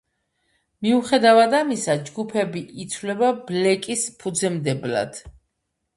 მიუხედავად ამისა, ჯგუფები ითვლება ბლეკის ფუძემდებლებად.